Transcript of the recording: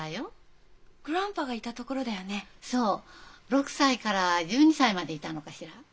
６歳から１２歳までいたのかしら。